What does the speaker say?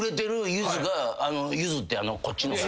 ゆずってあのこっちの方。